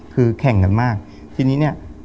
คือแข่งกันมากทีนี้เนี่ย